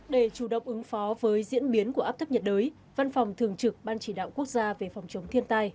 để chủ động ứng phó với diễn biến của áp thấp nhiệt đới văn phòng thường trực ban chỉ đạo quốc gia về phòng chống thiên tai